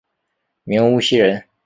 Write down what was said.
明无锡人。